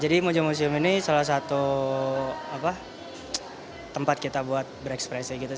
jadi moja museum ini salah satu tempat kita buat berekspresi